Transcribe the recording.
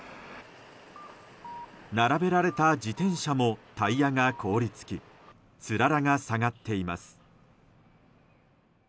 並べられた自転車もタイヤが凍り付きつららが下がっています。